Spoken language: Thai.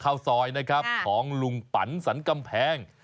ข้าวซอยนะครับของลุงปันสรรกำแพง